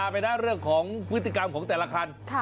จะเป็นร่างของพฤติกรรมของแต่ละครัน